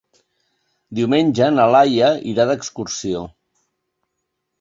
Diumenge na Laia irà d'excursió.